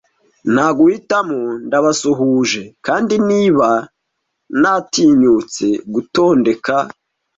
nta guhitamo ndabasuhuje kandi niba natinyutse gutondeka